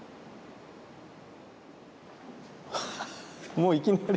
もういきなり。